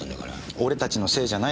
俺たちのせいじゃないでしょ。